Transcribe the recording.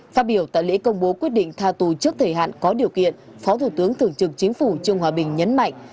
phát biểu tại lễ công bố quyết định tha tù trước thời hạn có điều kiện phó thủ tướng thường trực chính phủ trương hòa bình nhấn mạnh